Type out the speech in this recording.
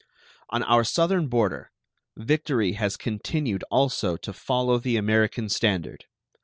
On our southern border victory has continued also to follow the American standard.